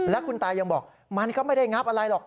และคุณตายังบอกมันก็ไม่ได้งับอะไรหรอก